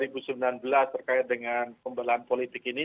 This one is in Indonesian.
terkait dengan pembelahan politik ini